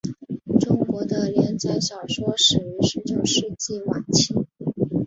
中国的连载小说始于十九世纪晚期。